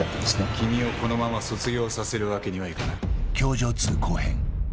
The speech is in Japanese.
君をこのまま卒業させるわけにはいかない。